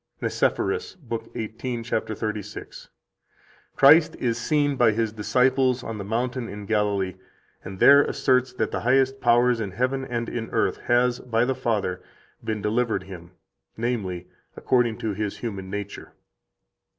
101 NICEPHORUS, lib. 18, cap. 36: "Christ is seen by His disciples on the mountain in Galilee, and there asserts that the highest power in heaven and in earth has, by the Father, been delivered Him, namely, according to His human nature."